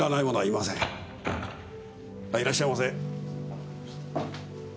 いらっしゃいませ。